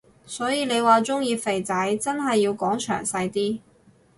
所以你話鍾意肥仔真係要講詳細啲